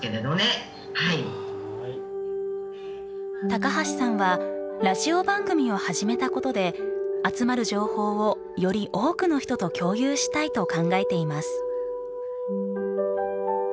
高橋さんはラジオ番組を始めたことで集まる情報をより多くの人と共有したいと考えています。